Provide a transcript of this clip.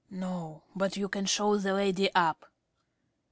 ~ No. But you can show the lady up.